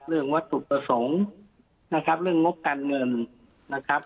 เรื่องวัตถุประสงค์นะครับเรื่องงบการเงินนะครับ